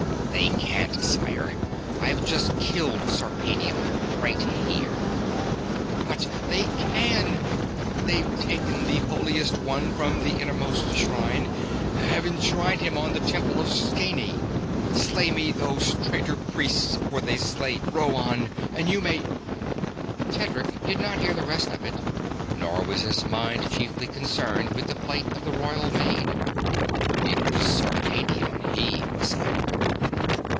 "They can't, sire. I've just killed Sarpedion, right here." "But they can! They've taken the Holiest One from the Innermost Shrine; have enshrined him on the Temple of Scheene. Slay me those traitor priests before they slay Rhoann and you may...." Tedric did not hear the rest of it, nor was his mind chiefly concerned with the plight of the royal maid. It was Sarpedion he was after.